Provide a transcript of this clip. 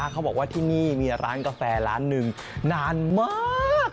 เขาบอกว่าที่นี่มีร้านกาแฟร้านหนึ่งนานมาก